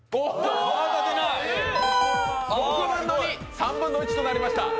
３分の１となりました。